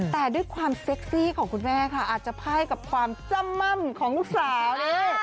แต่ด้วยความเซ็กซี่ของคุณแม่ค่ะอาจจะไพ่กับความจำม่ำของลูกสาวนี่